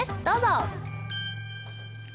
どうぞ！